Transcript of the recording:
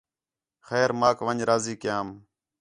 خیر ماک ون٘ڄ راضی کیام